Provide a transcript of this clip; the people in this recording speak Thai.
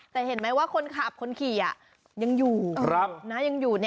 แต่เห็นไหมว่าคนขับคนขี่ยังอยู่